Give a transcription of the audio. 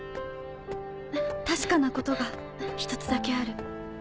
確かなことが１つだけある。